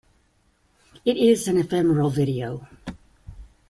It is an ephemeral video.